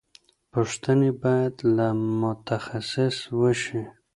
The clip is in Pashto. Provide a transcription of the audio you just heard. پوښتنې باید له متخصص وشي.